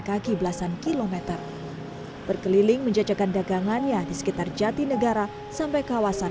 kaki belasan kilometer berkeliling menjajakan dagangannya di sekitar jatinegara sampai kawasan